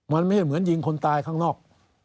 มันไม่ใช่เหมือนยิงคนตายข้างนอก